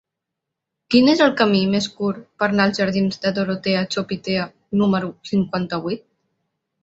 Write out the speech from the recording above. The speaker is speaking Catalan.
Quin és el camí més curt per anar als jardins de Dorotea Chopitea número cinquanta-vuit?